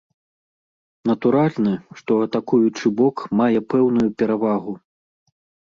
Натуральна, што атакуючы бок мае пэўную перавагу.